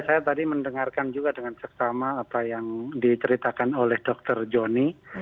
saya tadi mendengarkan juga dengan serta apa yang diceritakan oleh dokter jonny